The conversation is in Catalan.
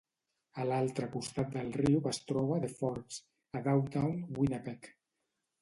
A l'altre costat del riu es troba The Forks, a Downtown Winnipeg.